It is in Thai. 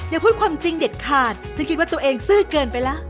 อย่าพูดความจริงเด็ดขาดฉันคิดว่าตัวเองซื่อเกินไปแล้ว